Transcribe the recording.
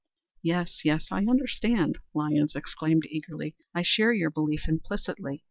"Yes, yes, I understand," Lyons exclaimed eagerly. "I share your belief implicitly.